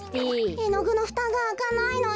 えのぐのふたがあかないのよ。